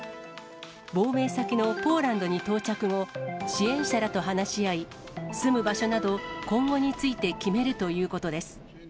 亡命先のポーランドに到着後、支援者らと話し合い、住む場所など、今後について決めるということです。